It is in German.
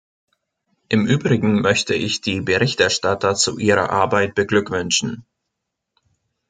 Im Übrigen möchte ich die Berichterstatter zu ihrer Arbeit beglückwünschen.